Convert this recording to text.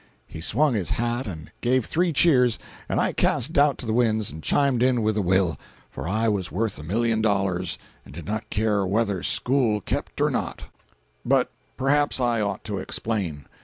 He swung his hat and gave three cheers, and I cast doubt to the winds and chimed in with a will. For I was worth a million dollars, and did not care "whether school kept or not!" 280.jpg (50K) But perhaps I ought to explain.